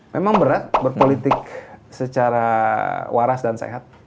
memang berat berpolitik secara waras dan sehat